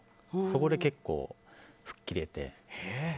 そこで結構、吹っ切れて。